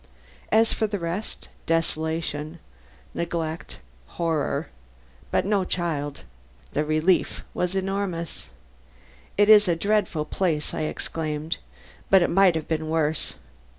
As for the rest desolation, neglect, horror but no child. The relief was enormous. "It is a dreadful place," I exclaimed; "but it might have been worse.